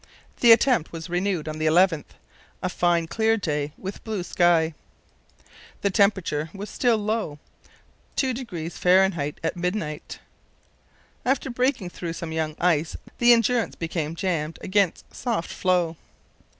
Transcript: The attempt was renewed on the 11th, a fine clear day with blue sky. The temperature was still low, –2° Fahr. at midnight. After breaking through some young ice the Endurance became jammed against soft floe.